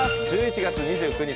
１１月２９日